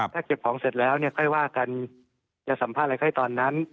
ถ้าเก็บของเสร็จแล้วเนี่ยค่อยว่ากันจะสัมภาษณ์อะไรค่อยตอนนั้น